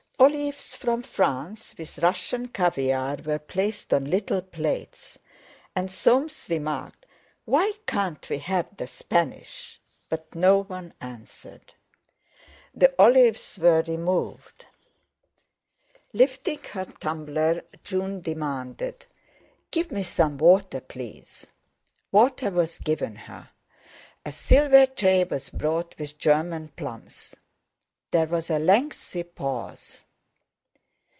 Olives from France, with Russian caviare, were placed on little plates. And Soames remarked: "Why can't we have the Spanish?" But no one answered. The olives were removed. Lifting her tumbler June demanded: "Give me some water, please." Water was given her. A silver tray was brought, with German plums. There was a lengthy pause.